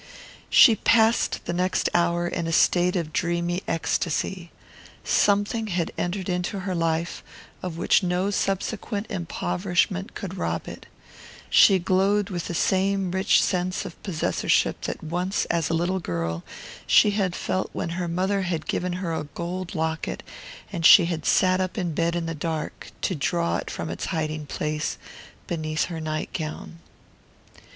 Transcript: She passed the next hour in a state of dreamy ecstasy. Something had entered into her life of which no subsequent empoverishment could rob it: she glowed with the same rich sense of possessorship that once, as a little girl, she had felt when her mother had given her a gold locket and she had sat up in bed in the dark to draw it from its hiding place beneath her night gown.